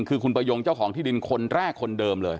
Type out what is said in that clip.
คือคุณประยงเจ้าของที่ดินคนแรกคนเดิมเลย